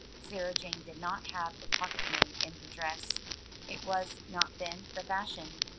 Sarah Jane did not have a pocket made in her dress; it was not then the fashion.